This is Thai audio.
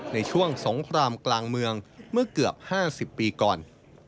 ในช่วงสงครามกลางเมืองเมื่อเกือบ๕๐ปีก่อน